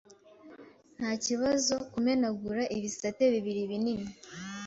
Ntakibazokumenagura ibisate bibiri binini